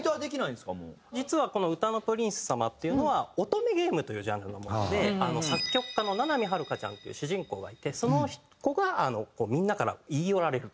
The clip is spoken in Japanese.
実は『うたの☆プリンスさまっ』っていうのは乙女ゲームというジャンルのもので作曲家の七海春歌ちゃんっていう主人公がいてその子がみんなから言い寄られるというか。